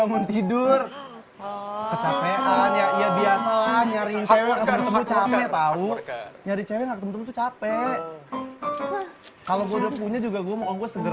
kecapean ya biasanya rintelnya tahu nyari cewek capek kalau punya juga gue mau seger